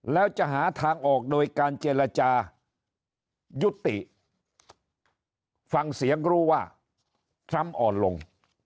แล้วจะหาทางออกโดยการเจรจายุติฟังเสียงรู้ว่าทรัมป์อ่อนลง